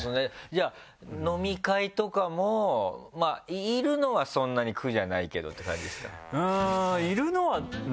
じゃあ飲み会とかもいるのはそんなに苦じゃないけどって感じですか？